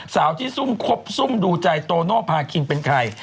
สาวที่ซุ่มคบซุ่มดูใจโตโนภาคินเป็นใคร